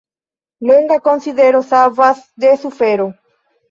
Longa konsidero savas de sufero.